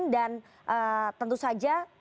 dan tentu saja